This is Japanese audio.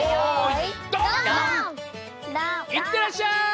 いってらっしゃい！